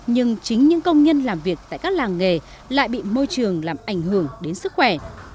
nhưng chính những công nhân làm việc tại các làng nghề lại bị môi trường làm ảnh hưởng đến sức khỏe